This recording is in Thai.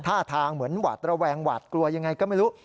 ท่าทางเหมือนหวาดระแวงหวาดกลัวยังไงก็ไม่รู้